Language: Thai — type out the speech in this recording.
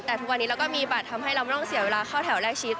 แต่ทุกวันนี้เราก็มีบัตรทำให้เราไม่ต้องเสียเวลาเข้าแถวแรกชิด